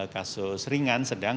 kasus ringan sedang